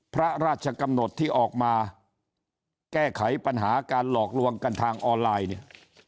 พระราชกำหนดที่ออกมาแก้ไขปัญหาการหลอกลวงกันทางออนไลน์เนี่ย